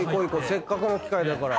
せっかくの機会だから。